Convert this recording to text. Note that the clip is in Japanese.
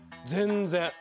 全然。